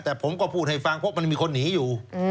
แต่ผมก็พูดให้ฟังเพราะมันมีคนหนีอยู่